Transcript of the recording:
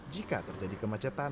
jika terjadi kemacetan